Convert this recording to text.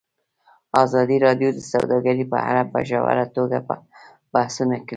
ازادي راډیو د سوداګري په اړه په ژوره توګه بحثونه کړي.